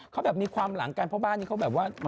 เขาแบบมีความหลังกันเพราะบ้านนี้เขาแบบว่า